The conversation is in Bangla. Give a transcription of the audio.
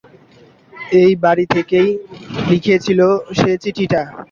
এই বাড়ি থেকেই লিখেছিল সে চিঠিটা।